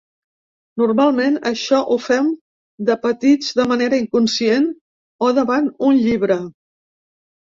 Normalment això ho fem de petits de manera inconscient o davant un llibre.